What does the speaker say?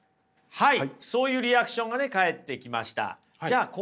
はい。